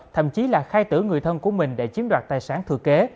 thậm chí là khai tử người thân của mình để chiếm đoạt tài sản thừa kế